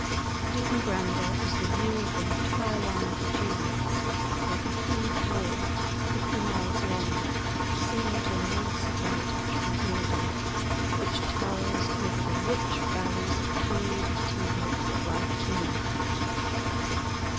But even grander is the view of the entire line of the Cheviots, like a huge wall, fifty miles long, seen to immense advantage from Eildon, which towers over the rich valleys of Tweed and Teviot that lie between.